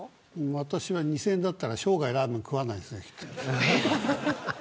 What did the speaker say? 私は２０００円だったら生涯ラーメン食わないですね。